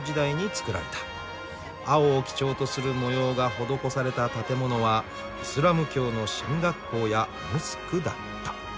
青を基調とする模様が施された建物はイスラム教の神学校やモスクだった。